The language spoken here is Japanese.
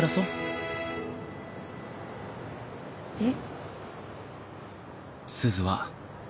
えっ？